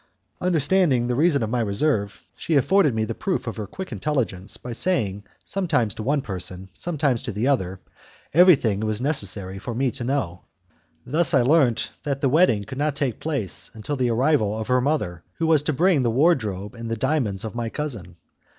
Understanding the reason of my reserve, she afforded me the proof of her quick intelligence by saying sometimes to one person, sometimes to the other, everything it was necessary for me to know. Thus I learnt that the wedding could not take place until the arrival of her mother, who was to bring the wardrobe and the diamonds of my cousin.